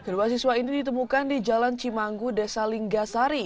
kedua siswa ini ditemukan di jalan cimanggu desa linggasari